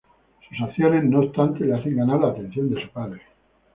Sus acciones, no obstante, le hacen ganar la atención de su padre.